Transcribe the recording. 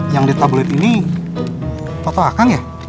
yang di tablet ini foto akang ya